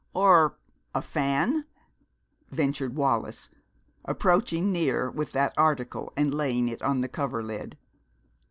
"Or a fan?" ventured Wallis, approaching near with that article and laying it on the coverlid.